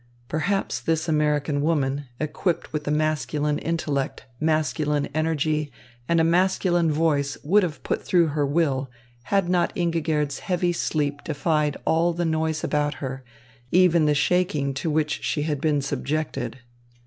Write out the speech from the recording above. Perhaps this American woman, equipped with a masculine intellect, masculine energy, and a masculine voice would have put through her will, had not Ingigerd's heavy sleep defied all the noise about her, even the shaking to which she had been subjected.